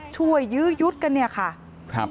ยื้อยุดกันเนี่ยค่ะ